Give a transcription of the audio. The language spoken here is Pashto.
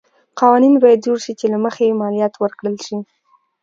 قوانین باید جوړ شي چې له مخې یې مالیات ورکړل شي.